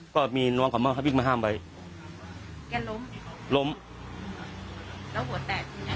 ก็มีน้องของม่าเขาบิ้งมาห้ามไว้ล้มแล้วหัวแตก